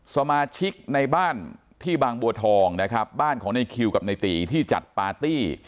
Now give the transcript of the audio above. สมาชิกในบ้านที่บางบัวทองนะครับบ้านของในคิวกับในตีที่จัดปาร์ตี้